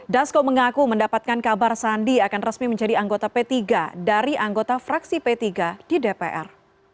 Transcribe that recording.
dasko mengaku mendapatkan kabar sandi akan resmi menjadi anggota p tiga dari anggota fraksi p tiga di dpr